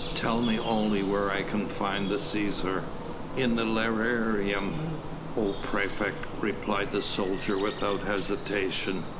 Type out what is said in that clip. "Tell me only where I can find the Cæsar." "In the lararium, O praefect," replied the soldier without hesitation.